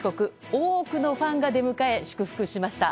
多くのファンが出迎え祝福しました。